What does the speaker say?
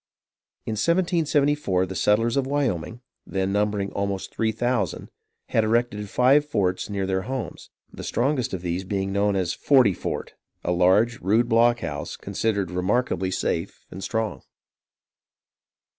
In 1774 the settlers of Wyoming, then numbering almost three thousand, had erected five forts near their homes, the strongest of these being known as Forty Fort, a large, rude blockhouse, con sidered remarkably safe and strong.